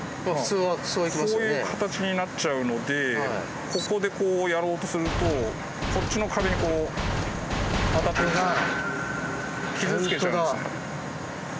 こういう形になっちゃうのでここでこうやろうとするとこっちの壁にこう当たっては。